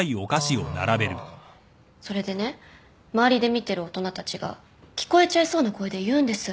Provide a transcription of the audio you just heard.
それでね周りで見てる大人たちが聞こえちゃいそうな声で言うんです。